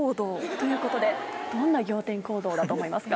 ということでどんな仰天行動だと思いますか？